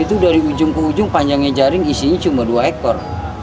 itu dari ujung ke ujung panjangnya jaring isinya cuma dua ekor